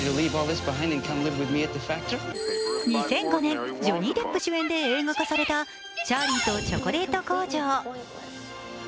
２００５年、ジョニー・デップ主演で映画化された「チャーリーとチョコレート工場」